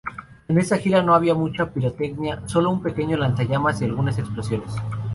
En esta gira no había mucha pirotecnia, sólo un pequeño lanzallamas y algunas explosiones.